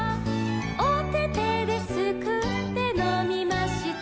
「おててですくってのみました」